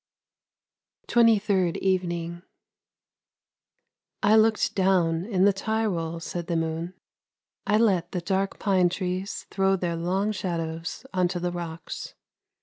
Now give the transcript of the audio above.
TWENTY THIRD EVENING " I looked down in the Tyrol," said the moon. "I let the dark pine trees throw their long shadows on to the rocks.